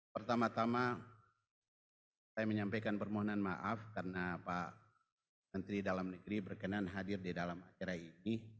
pertama tama saya menyampaikan permohonan maaf karena pak menteri dalam negeri berkenan hadir di dalam acara ini